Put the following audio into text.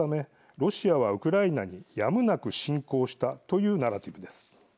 ロシアはウクライナにやむなく侵攻したというナラティブです。